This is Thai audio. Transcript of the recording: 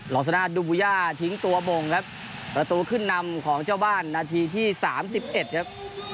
อสนาดูบูย่าทิ้งตัวบ่งครับประตูขึ้นนำของเจ้าบ้านนาทีที่๓๑ครับ